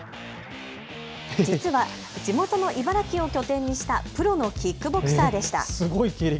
実は地元の茨城を拠点にしたプロのキックボクサーでした。